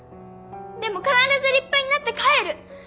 でも必ず立派になって帰る。